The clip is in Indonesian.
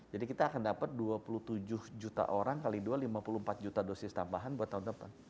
jadi kita akan dapat dua puluh tujuh juta orang kali dua lima puluh empat juta dosis tambahan buat tahun depan